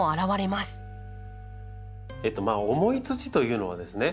重い土というのはですね